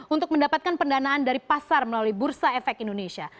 untuk mendapatkan pendanaan dari pasar melalui bursa efek indonesia